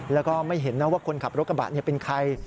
แล้วก็ไม่เห็นนะว่าคนขับรถกระบะเป็นใคร